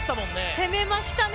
攻めましたね。